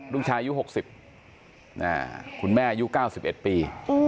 ลูกชายอายุ๖๐คุณแม่อายุ๙๑ปี